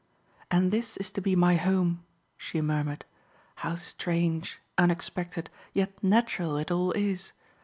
"And this is to be my home!" she murmured. "How strange, unexpected, yet natural it all is!